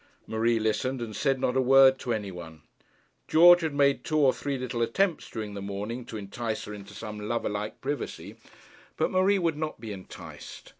Marie listened, and said not a word to any one. George had made two or three little attempts during the morning to entice her into some lover like privacy. But Marie would not be enticed.